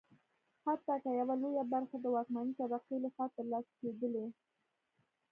حتی که یوه لویه برخه د واکمنې طبقې لخوا ترلاسه کېدلی.